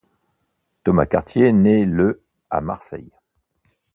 Thomas Cartier naît le à Marseille.